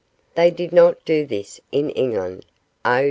They did not do this in England oh!